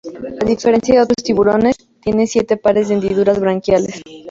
A diferencia de otros tiburones, tiene siete pares de hendiduras branquiales.